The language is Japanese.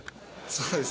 そうです。